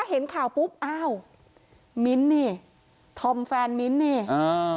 เห็นข่าวปุ๊บอ้าวมิ้นท์นี่ธอมแฟนมิ้นท์นี่อ่า